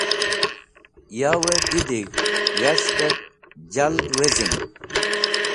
Yavẽ didig̃h yashtẽb jald wezin.